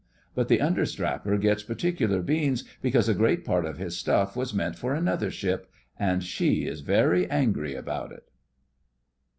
But the understrapper gets particular beans because a great part of his stuff was meant for another ship, and she is very angry about it.